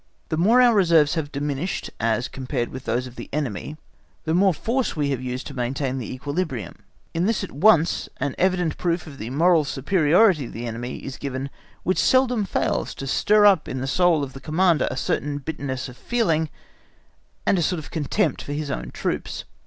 The more our reserves have diminished as compared with those of the enemy, the more force we have used to maintain the equilibrium; in this at once, an evident proof of the moral superiority of the enemy is given which seldom fails to stir up in the soul of the Commander a certain bitterness of feeling, and a sort of contempt for his own troops.